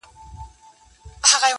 له بېلتونه پنا وړي د جانان غېږ ته ،